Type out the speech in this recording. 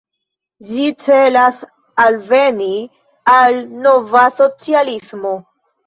Ĝi celas alveni al nova socialismo.